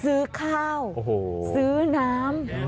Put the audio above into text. ซื้อข้าวซื้อน้ำ